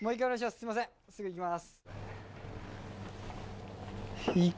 すぐ行きます。